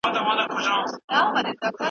کار کول د هر چا لپاره د عزت لاره ده.